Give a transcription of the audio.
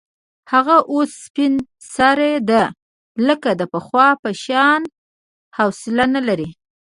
هغه اوس سپین سرې ده، لکه د پخوا په شان حوصله نه لري.